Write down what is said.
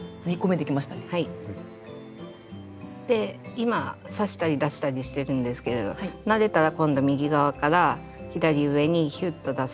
今刺したり出したりしてるんですけれど慣れたら今度右側から左上にヒュッと出すと。